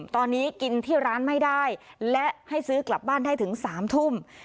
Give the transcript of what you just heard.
ตอนนี้กินที่ร้านไม่ได้และให้ซื้อกลับบ้านได้ถึง๓ทุ่ม